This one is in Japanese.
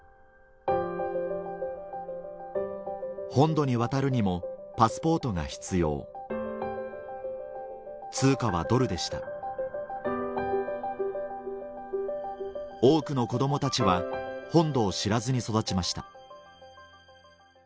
本土に渡るにもパスポートが必要通貨はドルでした多くの子供たちは本土を知らずに育ちました